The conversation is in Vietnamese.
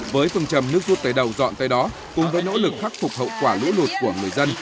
với phương trầm nước rút tới đầu dọn tới đó cùng với nỗ lực khắc phục hậu quả lũ lụt của người dân